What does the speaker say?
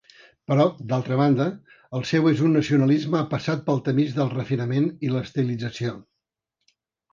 Però, d'altra banda, el seu és un nacionalisme passat pel tamís del refinament i l'estilització.